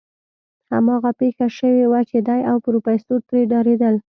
هماغه پېښه شوې وه چې دی او پروفيسر ترې ډارېدل.